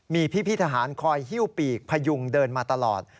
มีพี่ทหารคอยหิ้วปีกพยุงเดินมาตลอด